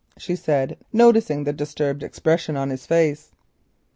she said, noticing the disturbed expression on his face.